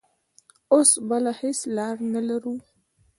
اوس بله هېڅ لار نه لرو.